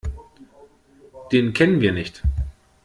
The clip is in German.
Den kennen wir nicht.